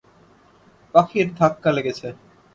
পাখির ধাক্কা লেগেছে!